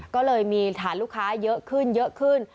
ก็เลยมีฐานลูกค้าเยอะขึ้นเยอะขึ้น